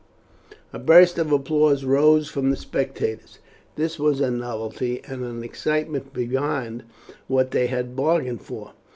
A burst of applause rose from the spectators. This was a novelty, and an excitement beyond what they had bargained for.